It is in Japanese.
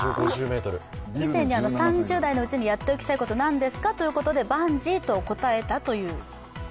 以前に３０代のうちにやっておきたいこと何ですか？と聞かれてバンジーと答えたという。